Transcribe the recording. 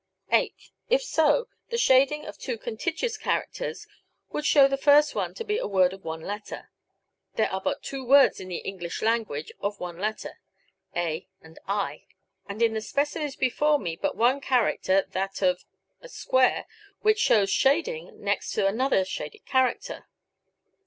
Eighth: If so, the shading of two contiguous characters would show the first one to be a word of one letter. There are but two words in the English language of one letter a and i and in the specimens before me but one character, that of [], which shows shading, next to another shaded character.